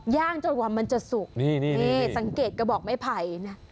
ย่างจนกว่ามันจะสุกสังเกตกระบอกไม้ไผ่นะ